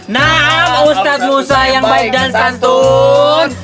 naam ustaz musa yang baik dasantun